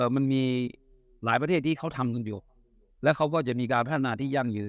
มันมีหลายประเทศที่เขาทำกันอยู่แล้วเขาก็จะมีการพัฒนาที่ยั่งยืน